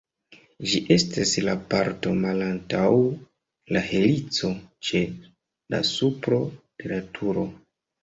Ĝi estas la parto malantaŭ la helico, ĉe la supro de la turo.